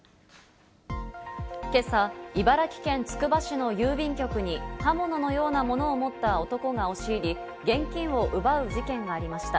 今朝、茨城県つくば市の郵便局に刃物のようなものを持った男が押し入り、現金を奪う事件がありました。